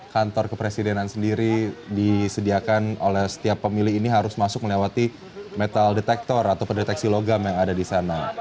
kantor kepresidenan sendiri disediakan oleh setiap pemilih ini harus masuk melewati metal detektor atau pendeteksi logam yang ada di sana